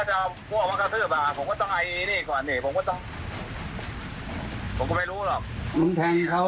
แต่งแล้วมันรู้ว่าเป็นไงบ้างก็ไม่รู้นะ